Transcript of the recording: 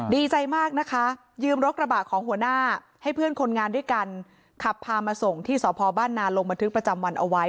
ดีใจมากนะคะยืมรถกระบะของหัวหน้าให้เพื่อนคนงานด้วยกันขับพามาส่งที่สพบ้านนาลงบันทึกประจำวันเอาไว้